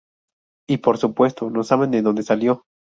Y por supuesto, no saben de dónde salió".